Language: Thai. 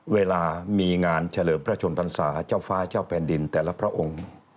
เวลามีงานเฉลิมพระชนพรรษาเจ้าฟ้าเจ้าแผ่นดินแต่ละพระองค์